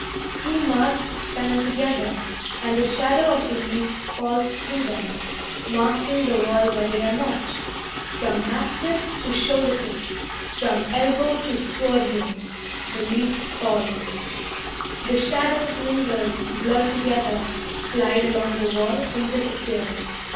Two masks stand together, And the shadow of a leaf falls through them, Marking the wall where they are not. From hat tip to shoulder tip, From elbow to sword hilt, The leaf falls. The shadows mingle, Blur together, Slide along the wall and disappear.